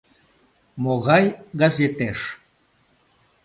— Могай газетеш?